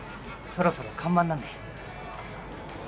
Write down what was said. そろそろ看板なんで。